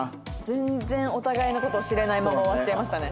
全然お互いの事を知れないまま終わっちゃいましたね。